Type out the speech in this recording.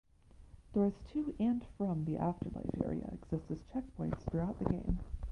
Doors to and from the afterlife area exist as checkpoints throughout the game.